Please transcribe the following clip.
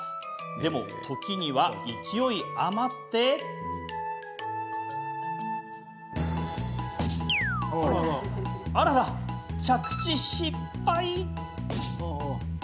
でも、時には勢い余ってあららら着地、失敗。